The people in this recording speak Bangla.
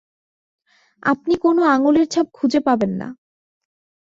আপনি কোনও আঙুলের ছাপ খুঁজে পাবেন না।